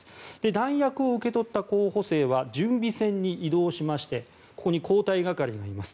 弾薬を受け取った候補生は準備線に移動しましてここに交代係がいます。